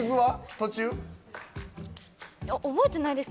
途中？覚えてないです。